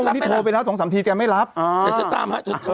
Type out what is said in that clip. ตรงนี้โทรไปแล้วสองสามทีแกไม่รับอ๋อโทรไปถามหน่อย